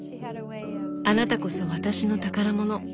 「あなたこそ私の宝物」。